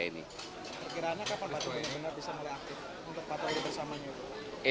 kira kira kapan patroli bersama ini